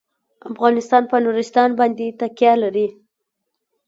افغانستان په نورستان باندې تکیه لري.